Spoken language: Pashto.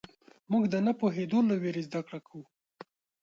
موږ د نه پوهېدو له وېرې زدهکړه کوو.